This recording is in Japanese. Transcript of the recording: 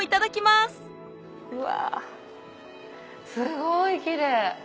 すごいきれい。